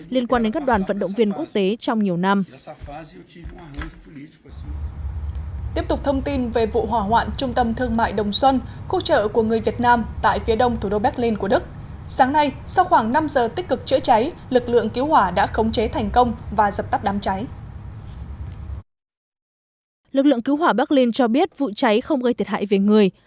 lực lượng cứu hỏa berlin cho biết vụ cháy không gây thiệt hại về người